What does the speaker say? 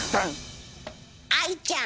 愛ちゃん